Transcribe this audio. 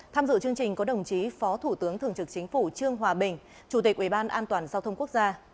tham dự chương trình có đồng chí phó thủ tướng thường trực chính phủ trương hòa bình chủ tịch ủy ban an toàn giao thông quốc gia